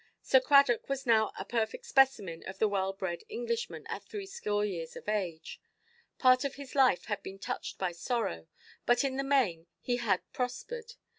Sir Cradock now was a perfect specimen of the well–bred Englishman at threescore years of age. Part of his life had been touched by sorrow, but in the main he had prospered.